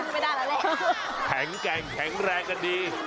จะเป็นคุณอ่ะว่าเคียงแล้วก็ดี